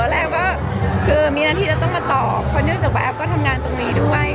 แรกก็คือมีหน้าที่จะต้องมาตอบเพราะเนื่องจากว่าแอฟก็ทำงานตรงนี้ด้วย